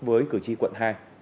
với cử tri quận hai